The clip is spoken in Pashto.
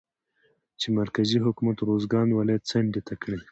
چې مرکزي حکومت روزګان ولايت څنډې ته کړى